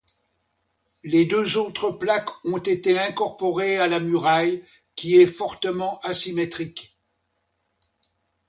Les deux autres plaques ont été incorporées à la muraille qui est fortement asymétrique.